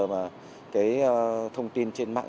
mà cái thông tin trên mạng